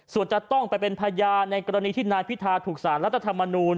ส่วนจะต้องไปเป็นพยานในกรณีที่นายพิธาถูกสารรัฐธรรมนูล